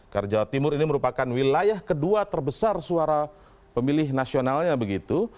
karena jawa timur ini merupakan wilayah kedua terbesar suara pemilih nasionalnya begitu